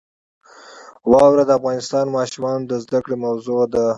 واوره د افغان ماشومانو د زده کړې موضوع ده.